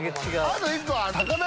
あと１個は。